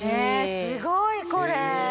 すごいこれ！